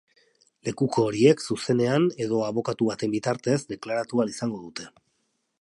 Lekuko horiek zuzenean edo abokatu baten bitartez deklaratu ahal izango dute.